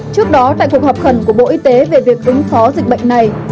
trước đó tại cuộc họp khẩn của bộ y tế về việc ứng phó dịch bệnh này